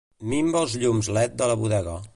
Minva els llums led de la bodega.